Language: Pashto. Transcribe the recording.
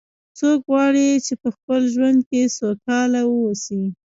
څوک غواړي چې په خپل ژوند کې سوکاله و اوسي